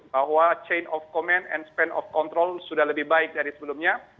bahwa chain of command and span of control sudah lebih baik dari sebelumnya